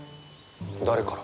誰から？